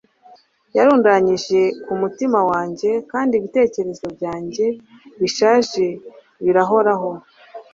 yarundanyije kumutima wanjye, kandi ibitekerezo byanjye bishaje birahoraho